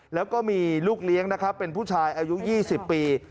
แล้วก็มีลูกเลี้ยงนะครับเป็นผู้ชายอายุ๒๐ปี